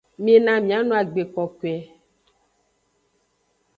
Mina miano agbe kokoe.